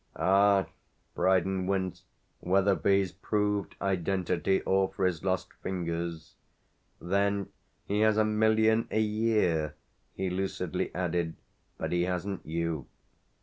"Ah!" Brydon winced whether for his proved identity or for his lost fingers. Then, "He has a million a year," he lucidly added. "But he hasn't you."